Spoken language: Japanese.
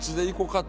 って。